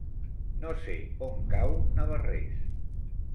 No sé on cau Navarrés.